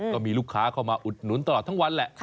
ก็มีลูกค้าเข้ามาอุดหนุนตลอดทั้งวันแหละ